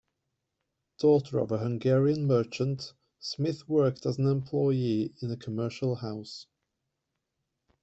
Daughter of a Hungarian merchant, Smith worked as an employee in a commercial house.